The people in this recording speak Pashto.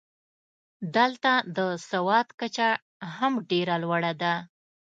دلته د سواد کچه هم ډېره لوړه ده.